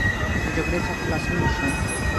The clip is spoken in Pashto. د جګړې څخه خلاصون نشته.